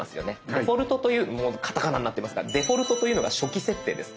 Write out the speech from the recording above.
デフォルトというカタカナになってますがデフォルトというのが初期設定です。